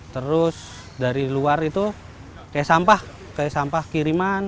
terus dari luar itu kayak sampah kayak sampah kiriman